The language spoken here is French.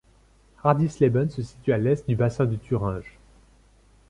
Hardisleben se situe à l'est du bassin de Thuringe.